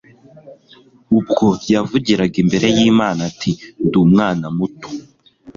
ubwo yavugiraga imbere y'imana ati ndi umwana muto